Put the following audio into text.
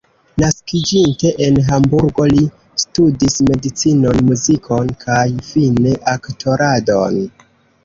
Naskiĝinte en Hamburgo, li studis medicinon, muzikon kaj fine aktoradon.